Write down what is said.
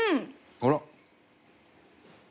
あら？